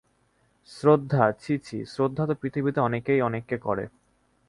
শ্রদ্ধা, ছি ছি, শ্রদ্ধা তো পৃথিবীতে অনেকেই অনেককে করে।